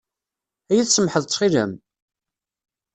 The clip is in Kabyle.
Ad iyi-tsamḥeḍ ttxil-m?